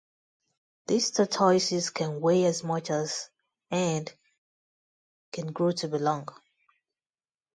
These tortoises can weigh as much as and can grow to be long.